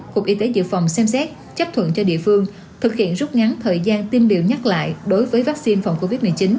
cục y tế dự phòng xem xét chấp thuận cho địa phương thực hiện rút ngắn thời gian tiêm liều nhắc lại đối với vaccine phòng covid một mươi chín